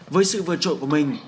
với sự vượt trội của mình